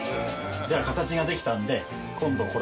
じゃあ形ができたんで今度これを。